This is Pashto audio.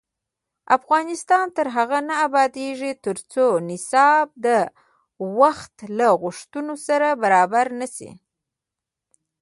افغانستان تر هغو نه ابادیږي، ترڅو نصاب د وخت له غوښتنو سره برابر نشي.